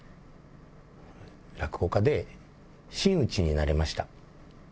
落語家で真打ちになれました。